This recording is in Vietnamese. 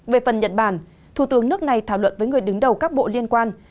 về phần nhật bản thủ tướng nước này thảo luận với người đứng đầu các bộ liên quan